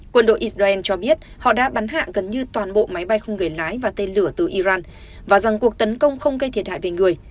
quân đội israel cho biết họ đã bắn hạ gần như toàn bộ máy bay không người lái và tên lửa từ iran và rằng cuộc tấn công không gây thiệt hại về người